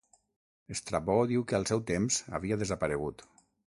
Estrabó diu que al seu temps havia desaparegut.